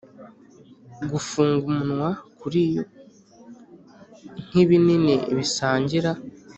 gufunga umunwa kuri yo, nkibinini bisangira.